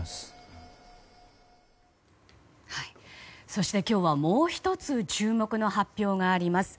そして今日はもう１つ注目の発表があります。